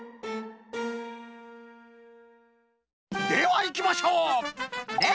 ではいきましょう！